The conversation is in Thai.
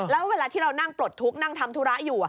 แล้วเวลาที่เรานั่งปลดทุกข์นั่งทำธุระอยู่